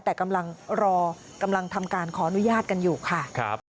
แต่กำลังรอกำลังทำการขออนุญาตกันอยู่ค่ะ